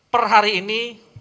per hari ini